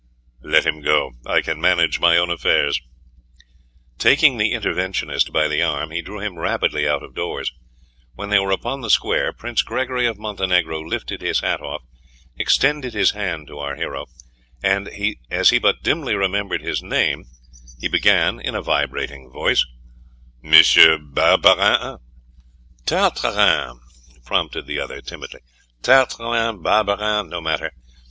"Let him go. I can manage my own affairs." Taking the interventionist by the arm, he drew him rapidly out of doors. When they were upon the square, Prince Gregory of Montenegro lifted his hat off; extended his hand to our hero, and as he but dimly remembered his name, he began in a vibrating voice: "Monsieur Barbarin " "Tartarin!" prompted the other, timidly. "Tartarin, Barbarin, no matter!